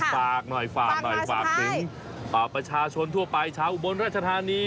เอาล่ะอาจารย์ฝากหน่อยฝากถึงประชาชนทั่วไปชาวอุบลราชธานี